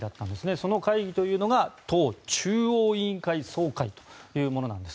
その会議というのが党中央委員会総会というものなんです。